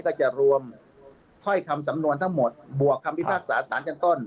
ถ้าจะรวมถ้อยคำสำนวนทั้งหมดบวกคำพิพากษาสารชั้นต้น